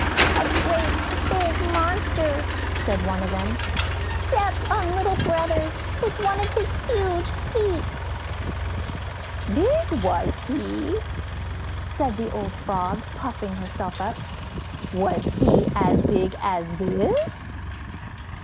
"A great big monster," said one of them, "stepped on little brother with one of his huge feet!" "Big, was he!" said the old Frog, puffing herself up. "Was he as big as this?"